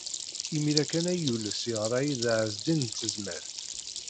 Imir-a kan ay yules yeɣra-iyi-d Ɛezdin n Tezmalt.